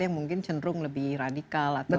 yang mungkin cenderung lebih radikal atau